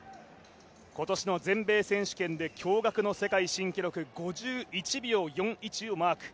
今年の全米選手権で驚がくの世界新記録５１秒４１をマーク。